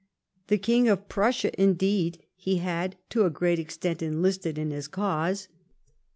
The King of Prussia, indeed, he had to a great extent enlisted in his cause.